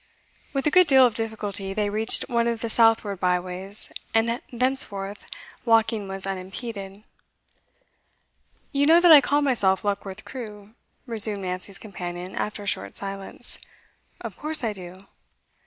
With a good deal of difficulty they reached one of the southward byways; and thenceforth walking was unimpeded. 'You know that I call myself Luckworth Crewe,' resumed Nancy's companion after a short silence. 'Of course I do.